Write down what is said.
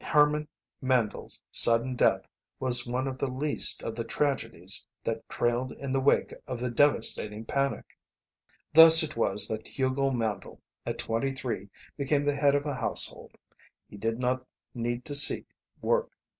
Herman Handle's sudden death was one of the least of the tragedies that trailed in the wake of the devastating panic. Thus it was that Hugo Handle, at twenty three, became the head of a household. He did not need to seek work.